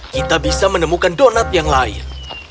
kita bisa menemukan donat yang lain